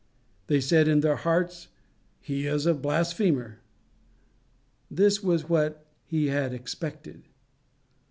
They said in their hearts, "He is a blasphemer." This was what he had expected.